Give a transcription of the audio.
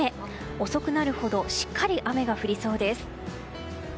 遅くなるほどしっかり雨が降りそうです。